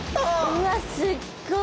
うわすっごい！